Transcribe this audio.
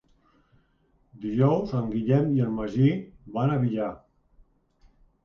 Dijous en Guillem i en Magí van al Villar.